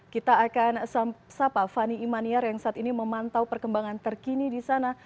kita akan sapa fani imaniar yang saat ini memantau perkembangan terkini di sana